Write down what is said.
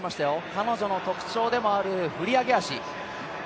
彼女の特徴でもある振り上げ足